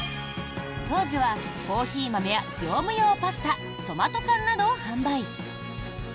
当時はコーヒー豆や業務用パスタトマト缶などを販売。